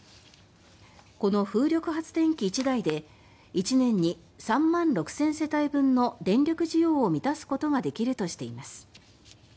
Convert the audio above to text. この風力発電機１台で１年に３万６０００世帯分の電力需要を満たすことができるとしています。